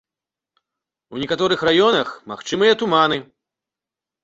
У некаторых раёнах магчымыя туманы.